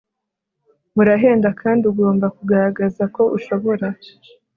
burahenda kandi ugomba kugaragaza ko ushobora